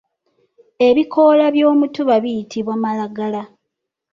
Ebikoola by’omutuba biyitibwa malagala.